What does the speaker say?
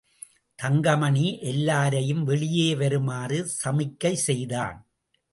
தங்கமணி எல்லாரையும் வெளியே வருமாறு சமிக்ஞை செய்தான்.